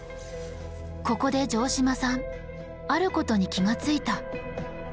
ここで城島さんあることに気がついた。